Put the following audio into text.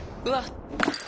うわっ。